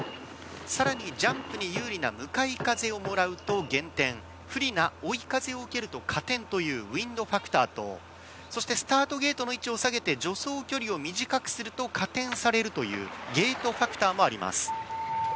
更にジャンプに有利な向かい風をもらうと減点、不利な追い風を受けると加点というウインドファクターとスタートゲートの位置を下げて助走距離を短くすると加点されるというゲートファクターもあります。